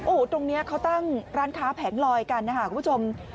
โอ้โหตรงนี้เขาตั้งร้านค้าแผงลอยกันนะคะคุณผู้ชม